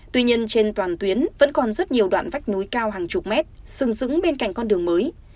tuy nhiên trên toàn tuyến vẫn còn rất nhiều đoạn vách núi cao hàng chục mét dừng đứng bên cạnh con đường mới